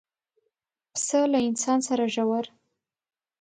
پسه له انسان سره ژور